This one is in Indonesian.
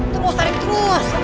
terus tarik terus